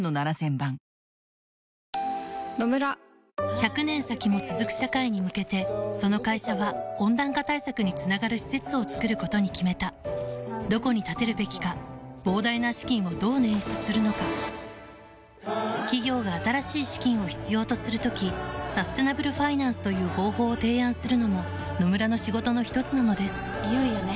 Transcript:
１００年先も続く社会に向けてその会社は温暖化対策につながる施設を作ることに決めたどこに建てるべきか膨大な資金をどう捻出するのか企業が新しい資金を必要とする時サステナブルファイナンスという方法を提案するのも野村の仕事のひとつなのですいよいよね。